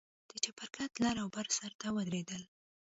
د چپرکټ لر او بر سر ته ودرېدل.